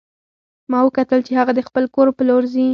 ما وکتل چې هغه د خپل کور په لور ځي